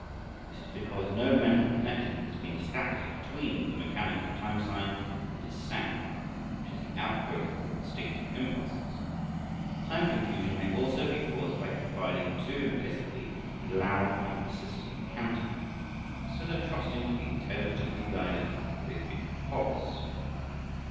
This is because no mental connection has been established between the mechanical time sign and its sound, which is the outgrowth of instinctive impulses. Time confusion may also be caused by confiding too implicitly in loud and persistent counting, instead of trusting to the intelligently guided rhythmic pulse.